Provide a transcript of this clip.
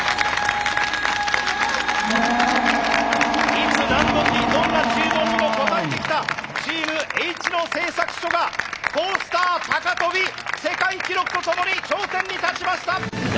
いつ何時どんな注文にも応えてきたチームＨ野製作所がトースター高跳び世界記録とともに頂点に立ちました！